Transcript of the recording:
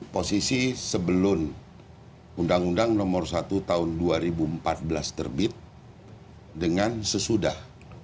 posisi sebelum undang undang nomor satu tahun dua ribu empat belas terbit dengan sesudah